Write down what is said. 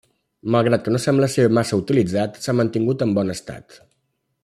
Malgrat que no sembla ser massa utilitzat, s'ha mantingut en bon estat.